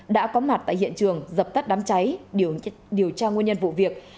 đã có mặt tại hiện trường dập tắt đám cháy điều tra nguyên nhân vụ việc